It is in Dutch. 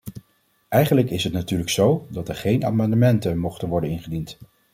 Eigenlijk is het natuurlijk zo dat er geen amendementen mochten worden ingediend.